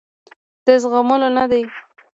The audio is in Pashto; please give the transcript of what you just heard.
د زغملو نه دي.